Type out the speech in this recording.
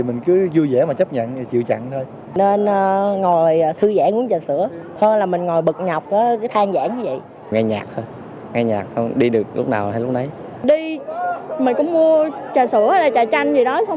mình cũng mua trà sữa hay trà chanh